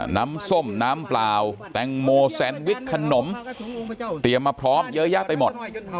น้ำส้มน้ำเปล่าแตงโมแซนวิชขนมเตรียมมาพร้อมเยอะแยะไปหมด